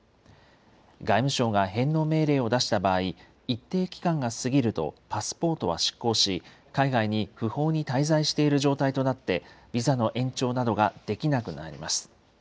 外務省が返納命令を出した場合、一定期間が過ぎるとパスポートは失効し、海外に不法に滞在している状態となって、ビザの延長などができなくなります。